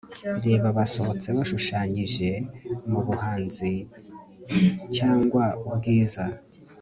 reba basohotse bashushanyije, mubuhanzi cyangwa ubwiza